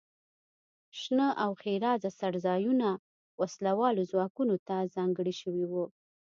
شنه او ښېرازه څړځایونه وسله والو ځواکونو ته ځانګړي شوي وو.